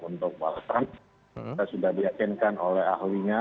untuk balasan sudah diakinkan oleh ahlinya